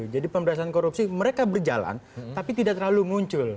jadi pemberantasan korupsi mereka berjalan tapi tidak terlalu muncul